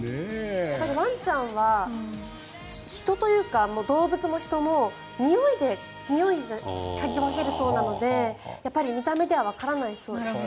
ワンちゃんは人というか動物も人もにおいで嗅ぎ分けるそうなのでやっぱり見た目ではわからないそうです。